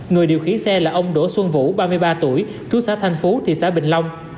người điều khiển xe là ông đỗ xuân vũ ba mươi ba tuổi trú xã thành phú thị xã bình long